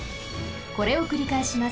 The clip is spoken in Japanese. これをくりかえします。